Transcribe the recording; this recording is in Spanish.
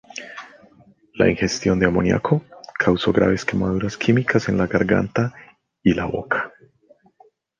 La ingestión de amoníaco causó graves quemaduras químicas en la garganta y la boca.